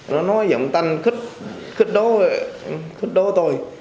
nó nói giọng tăng khích đối tôi